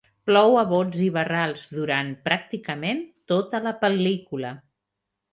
Plou a bots i barrals durant, pràcticament, tota la pel·lícula.